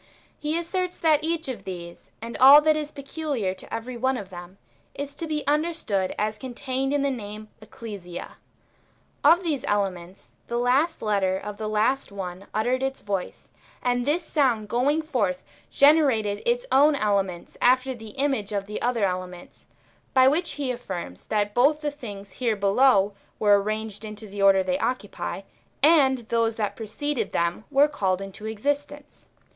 He asserts that each of these, and all that is peculiar to every one of them, is to be understood as contained in the name Ecclesia. Of these elements, the last letter of the last one uttered its voice, and this sound "^ goii^g forth generated its own elements after the image of the [other] elements, by which he affirms, that both the things here below were arrane^ed into the order thev occupy, and those that preceded them were called into exist ence.